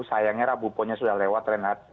sayangnya rabuponnya sudah lewat reinhardt